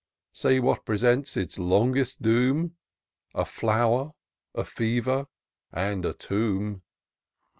Say, what presents its longest doom ? A flower, a fever, and a tomb